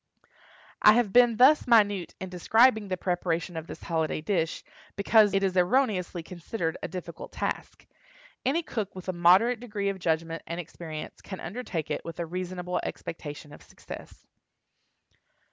I have been thus minute in describing the preparation of this holiday dish, because it is erroneously considered a difficult task. Any cook with a moderate degree of judgment and experience can undertake it with a reasonable expectation of success.